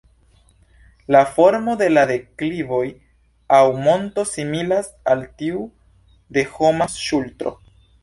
La formo de la deklivoj aŭ monto similas al tiu de homa ŝultro.